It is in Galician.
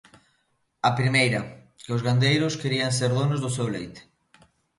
A primeira, que os gandeiros querían ser donos do seu leite.